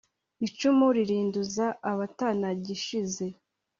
Icumu ririnduza abatanagishije,